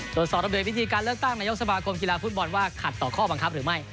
ตรวจสอบระเบียบวิธีการเลือกตั้งนายกสมาคมกีฬาฟุตบอลว่าขัดต่อข้อบังคับหรือไม่